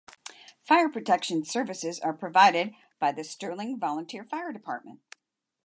Fire protection services are provided by the Sterling Volunteer Fire Department.